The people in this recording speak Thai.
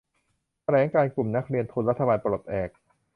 แถลงการณ์กลุ่มนักเรียนทุนรัฐบาลปลดแอก